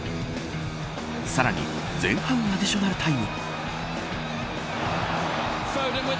さらに前半アディショナルタイム。